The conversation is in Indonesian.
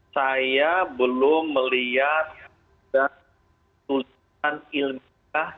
saya belum melihat tulisan ilmiah